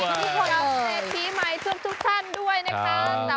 กับที่ผ่านเทพีใหม่ซึ่งทุกชั้นด้วยนะคะ